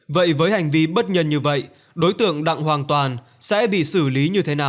vậy với hành vi bất nhân như vậy đối tượng đặng hoàn toàn sẽ bị xử lý